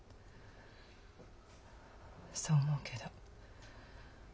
そう思うけど。